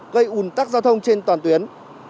gây ủn tắc giao thông trên toàn tuyến